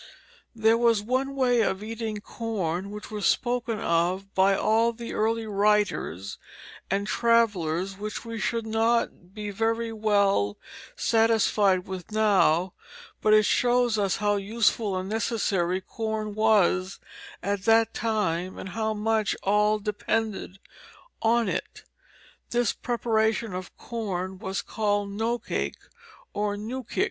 There was one way of eating corn which was spoken of by all the early writers and travellers which we should not be very well satisfied with now, but it shows us how useful and necessary corn was at that time, and how much all depended on it. This preparation of corn was called nocake or nookick.